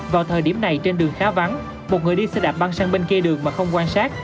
vào thời điểm này trên đường khá vắng một người đi xe đạp băng sang bên kia đường mà không quan sát